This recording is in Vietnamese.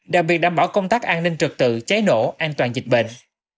đặc biệt đảm bảo công tác an ninh trực tự cháy nổ an toàn dịch bệnh